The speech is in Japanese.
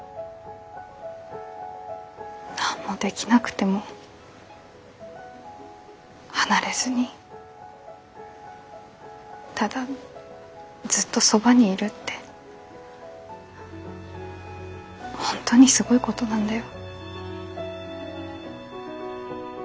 何もできなくても離れずにただずっとそばにいるって本当にすごいことなんだよ。